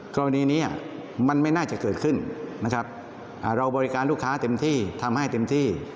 กรณีนี้มันไม่น่าจะเกิดขึ้นนะครับเราบริการลูกค้าเต็มที่ทำให้เต็มที่